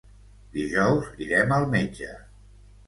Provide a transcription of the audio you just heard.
Dijous irem al metge.